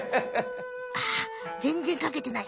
ああ全然描けてない！